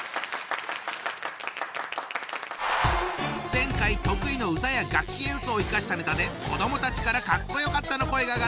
前回得意の歌や楽器演奏を生かしたネタで子どもたちからかっこよかったの声が上がった